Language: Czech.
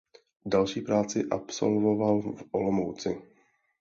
Další praxi absolvoval v Olomouci.